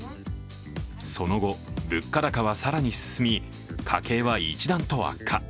その後、物価高は更に進み、家計は一段と悪化。